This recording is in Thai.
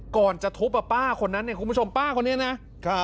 ก่อนจะทุบป้าคนนั้นคุณผู้ชมป้าคนนี้นะ